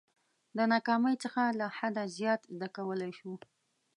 د ناکامۍ څخه له حده زیات زده کولای شو.